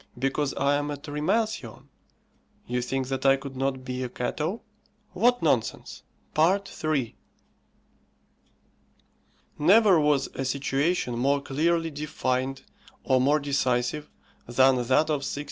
Because I am a Trimalcion, you think that I could not be a Cato! What nonsense! III. Never was a situation more clearly defined or more decisive than that of 1660.